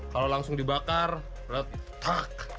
kalau langsung dibakar retak